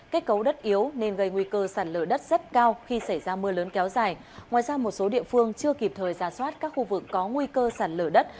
kết cấu đất yếu nên gây nguy cơ sản lở đất rất cao khi xảy ra mưa lớn kéo dài ngoài ra một số địa phương chưa kịp thời ra soát các khu vực có nguy cơ sạt lở đất